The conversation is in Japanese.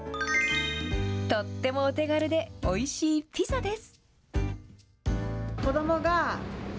とってもお手軽で、おいしいピザです。